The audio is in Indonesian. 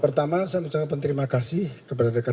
pertama saya mau ucapkan terima kasih kepada rekan rekan jawa